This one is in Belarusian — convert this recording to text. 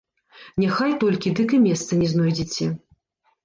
Няхай толькі, дык і месца не знойдзеце!